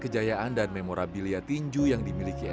jadi namanya petinju enel ini